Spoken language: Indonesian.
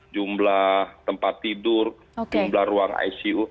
jumlah tempat tidur jumlah ruang icu